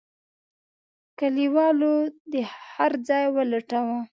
کليوالو هرځای ولټاوه.